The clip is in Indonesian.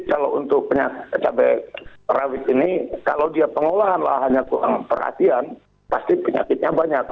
kalau untuk cabai rawit ini kalau dia pengolahan lahannya kurang perhatian pasti penyakitnya banyak